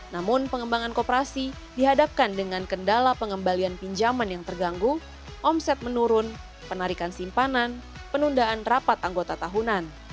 namun pengembangan koperasi dihadapkan dengan kendala pengembalian pinjaman yang terganggu omset menurun penarikan simpanan penundaan rapat anggota tahunan